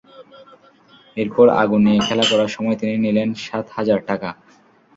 এরপর আগুন নিয়ে খেলা করার সময় তিনি নিলেন সাত হাজার টাকা।